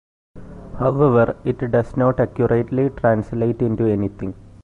However, it does not accurately translate into anything.